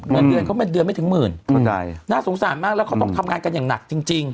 เงินเดือนเขาเป็นเดือนไม่ถึงหมื่นเข้าใจน่าสงสารมากแล้วเขาต้องทำงานกันอย่างหนักจริง